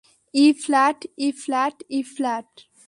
E flat, E flat, E flat!